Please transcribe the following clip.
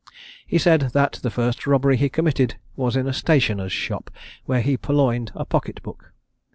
He said that the first robbery he committed was in a stationer's shop, where he purloined a pocket book.